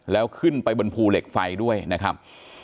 แล้วขึ้นไปบนภูเหล็กไฟด้วยนะครับ